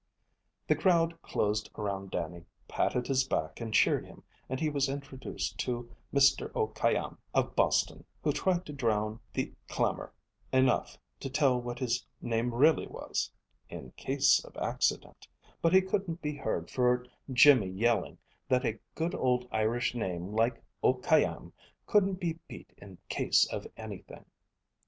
The crowd closed around Dannie, patted his back and cheered him, and he was introduced to Mister O'Khayam, of Boston, who tried to drown the clamor enough to tell what his name really was, "in case of accident"; but he couldn't be heard for Jimmy yelling that a good old Irish name like O'Khayam couldn't be beat in case of anything.